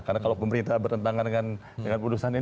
karena kalau pemerintah berendangan dengan putusan ini jadi